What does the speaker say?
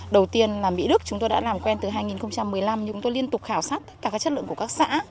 đầu tiên là mỹ đức chúng tôi đã làm quen từ hai nghìn một mươi năm chúng tôi liên tục khảo sát các chất lượng của các xã